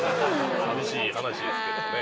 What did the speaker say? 寂しい話ですけどもね。